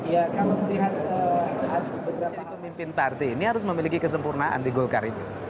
jadi pemimpin partai ini harus memiliki kesempurnaan di golkar itu